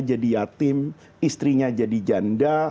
jadi yatim istrinya jadi janda